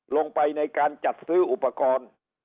ลงไปในการจัดซื้ออุปกรณ์